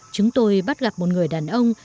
chúng tôi bắt gặp một người đàn ông